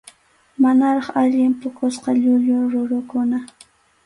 Manaraq allin puqusqa llullu rurukuna.